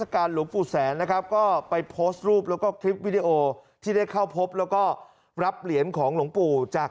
กุโมงเมวแฮปปั๊วมุโมงแมม์แต่อยากให้กุพัก